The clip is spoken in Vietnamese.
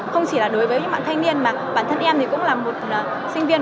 không chỉ là đối với những bạn thanh niên mà bản thân em thì cũng là một sinh viên